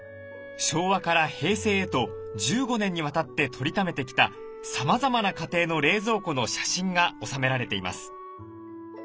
昭和から平成へと１５年にわたって撮りためてきたさまざまな家庭の冷蔵庫の写真が収められています。